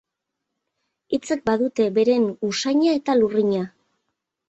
Hitzek badute beren usaina eta lurrina.